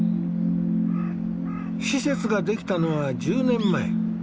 施設が出来たのは１０年前。